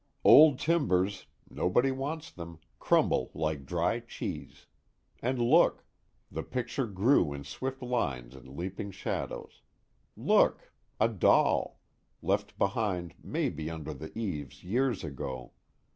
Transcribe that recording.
Old timbers nobody wants them crumble like dry cheese. And look! the picture grew in swift lines and leaping shadows look, a doll! Left behind maybe under the eaves years ago.